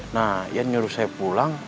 nah ya nyuruh saya pulang